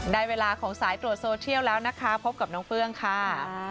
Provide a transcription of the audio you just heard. ได้เวลาของสายตรวจโซเทียลแล้วนะคะพบกับน้องเฟื้องค่ะ